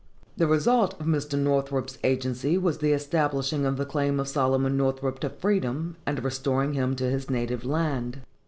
The result of Mr. Northrop's agency was the establishing of the claim of Solomon Northrop to freedom, and the restoring him to his native land.